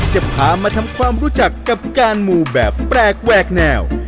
จะพามาทำความรู้จักกับการหมู่แบบแปลกแหวกแนว